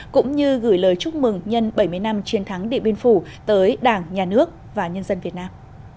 cũng như gửi lời chúc mừng nhân bảy mươi năm chiến thắng địa biên phủ tới đảng nhà nước và nhân dân việt nam